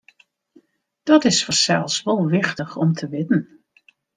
Dat is fansels wol wichtich om te witten.